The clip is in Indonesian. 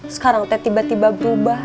sekarang teh tiba tiba berubah